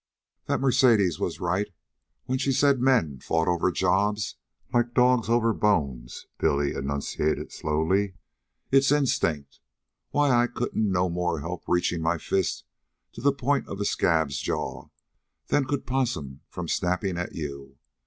"That Mercedes was right when she said men fought over jobs like dogs over bones," Billy enunciated slowly. "It's instinct. Why, I couldn't no more help reaching my fist to the point of a scab's jaw than could Possum from snappin' at you.